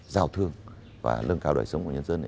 giao thương và lương cao đời sống của nhân dân